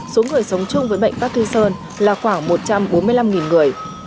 số người sống chung với bệnh parkinson là khoảng một trăm bốn mươi năm người